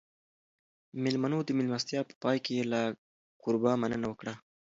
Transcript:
مېلمنو د مېلمستیا په پای کې له کوربه مننه وکړه.